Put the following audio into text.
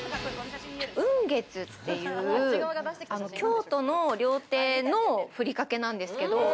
雲月という、京都の料亭のふりかけなんですけれども。